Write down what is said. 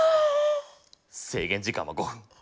制限時間は５分。